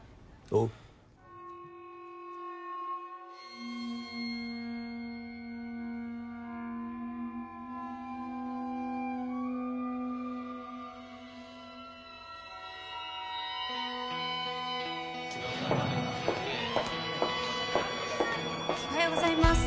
おはようございます。